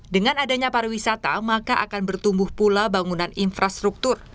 dengan adanya pariwisata maka akan bertumbuh pula bangunan infrastruktur